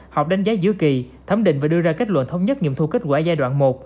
họp đánh giá giữa kỳ thẩm định và đưa ra kết luận thống nhất nghiệm thu kết quả giai đoạn một